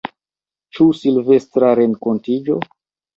Ĉu Silvestra renkontiĝo?